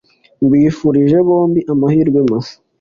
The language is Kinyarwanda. mbifurije bombi, amahirwe masa;